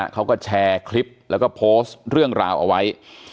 เขาก็แชร์คลิปแล้วก็โพสต์เรื่องราวเอาไว้